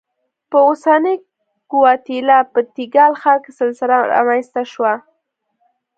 په اوسنۍ ګواتیلا په تیکال ښار کې سلسله رامنځته شوه.